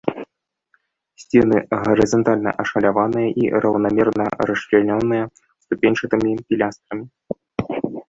Сцены гарызантальна ашаляваныя і раўнамерна расчлянёныя ступеньчатымі пілястрамі.